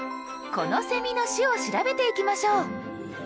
このセミの種を調べていきましょう。